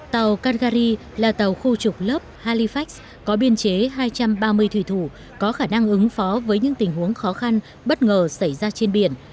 tàu caly là tàu khu trục lớp halifax có biên chế hai trăm ba mươi thủy thủ có khả năng ứng phó với những tình huống khó khăn bất ngờ xảy ra trên biển